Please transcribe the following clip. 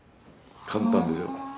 簡単でしょ？